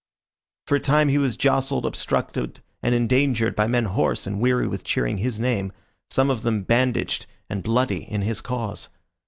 For a time he was jostled, obstructed, and endangered by men hoarse and weary with cheering his name, some of them bandaged and bloody in his cause.